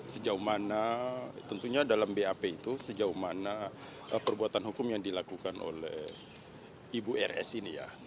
sejauh mana tentunya dalam bap itu sejauh mana perbuatan hukum yang dilakukan oleh ibu rs ini ya